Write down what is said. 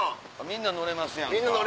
みんな乗れますやんか。